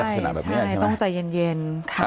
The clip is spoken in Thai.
ใช่ต้องใจเย็น